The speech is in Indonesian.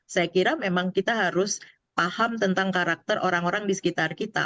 saya kira memang kita harus paham tentang karakter orang orang di sekitar kita